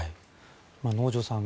能條さん